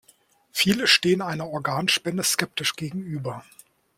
Viele stehen einer Organspende skeptisch gegenüber.